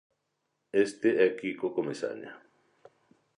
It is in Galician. Este é Quico Comesaña.